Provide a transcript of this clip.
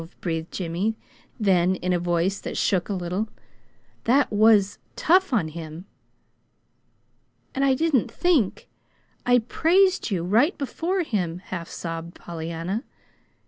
breathed Jimmy, then, in a voice that shook a little, "That was tough on him!" "And I didn't think, and PRAISED you, right before him," half sobbed Pollyanna.